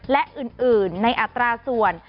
และอื่นในอัตราส่วน